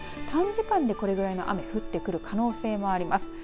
短時間でこれぐらいの雨降ってくる可能性もあります。